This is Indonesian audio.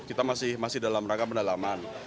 kita masih dalam rangka pendalaman